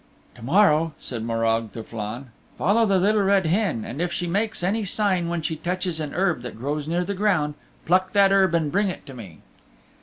"To morrow," said Morag to Flann, "follow the Little Red Hen, and if she makes any sign when she touches an herb that grows near the ground, pluck that herb and bring it to me."